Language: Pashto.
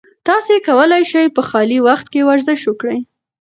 تاسي کولای شئ په خالي وخت کې ورزش وکړئ.